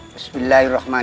bison dan penyerforman